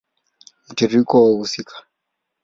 Mtiririko wa wahusika